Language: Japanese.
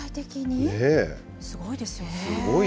すごいですよね。